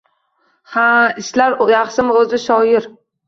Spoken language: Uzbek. Ha-a, ishlar yaxshimi o‘zi, shoir?